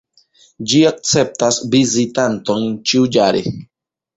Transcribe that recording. Ĝi akceptas vizitantojn ĉiujare.